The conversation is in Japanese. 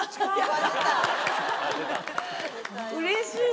うれしい！